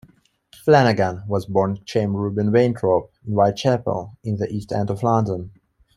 Flanagan was born Chaim Reuben Weintrop in Whitechapel, in the East End of London.